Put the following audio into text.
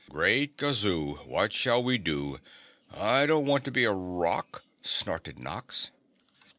"Great Gazoo, what shall we do? I don't want to be a rock," snorted Nox.